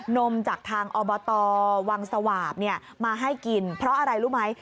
นมจากทางอบตวังสวาปมาให้กินเพราะอะไรรู้ไหม